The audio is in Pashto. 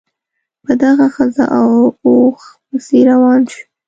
په دغه ښځه او اوښ پسې روان شو.